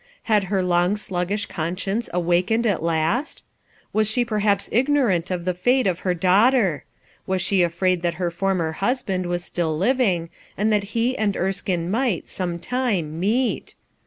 jr, loug sluggish conscience awakened »t , i "at jjw., ^ Was she perhaps ignorant of the fate f daughter? Was she afraid that her f husband was still living, and that he Erskine might, sometime, meet?